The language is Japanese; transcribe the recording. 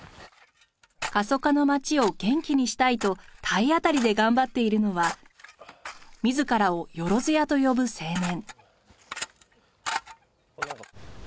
過疎化の町を元気にしたいと体当たりで頑張っているのは自らを「よろづや」と呼ぶ青年。